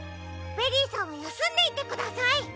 ベリーさんはやすんでいてください。